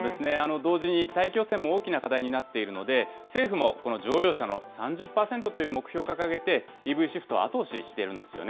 同時に大気汚染も大きな課題になっているので、政府もこの乗用車の３０％という目標を掲げて、ＥＶシフトを後押ししているんですよね。